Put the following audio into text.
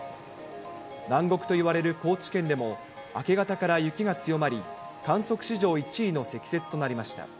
南国といわれる高知県でも、明け方から雪が強まり、観測史上１位の積雪となりました。